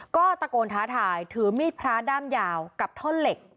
ก็ตะโกนท้าทายถือมีดพระด้ามยาวกับท่อนเหล็ก